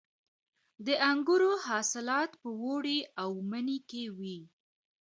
د انګورو حاصلات په اوړي او مني کې وي.